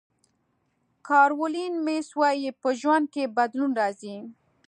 کارولین میس وایي په ژوند کې بدلون راځي.